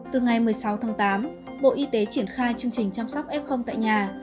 từ ngày một mươi sáu tháng tám bộ y tế triển khai chương trình chăm sóc f tại nhà